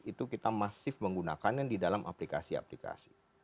itu kita masif menggunakan yang di dalam aplikasi aplikasi